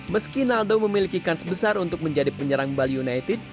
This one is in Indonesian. meski naldo memiliki kans besar untuk menjadi penyerang bali united